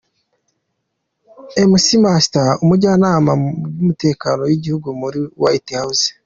McMaster umujyanama mu by’umutekano w’igihugu muri White House